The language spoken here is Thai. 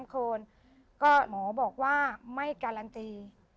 คนก็หมอบอกว่าไม่การันตี